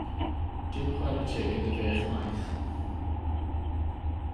Dim chwarae teg iddo fo chwaith.